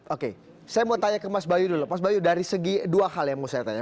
oke saya mau tanya ke mas bayu dulu mas bayu dari segi dua hal yang mau saya tanya